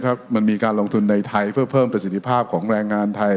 ถ้ามันมีการลงทุนในไทยเพื่อเพิ่มประสิทธิภาพของแรงงานไทย